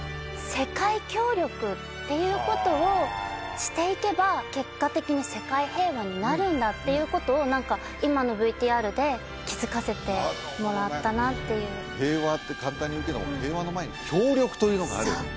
世界協力っていうことをしていけば結果的に世界平和になるんだっていうことを何か今のＶＴＲで気づかせてもらったなっていう平和って簡単に言うけども平和の前に協力というのがあるそう！